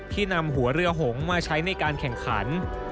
ที่นำหัวเรือหงมาใช้ในการแข่งขัน